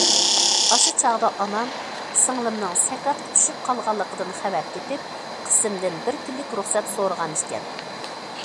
ئاشۇ چاغدا ئانام سىڭلىمنىڭ سەكراتقا چۈشۈپ قالغانلىقىدىن خەۋەر تېپىپ، قىسىمدىن بىر كۈنلۈك رۇخسەت سورىغانىكەن.